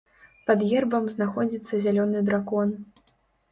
Пад гербам знаходзіцца зялёны дракон.